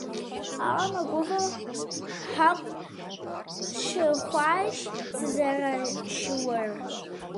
Ауэ мыгувэу хьэкъ сщыхъуащ сызэрыщыуэр.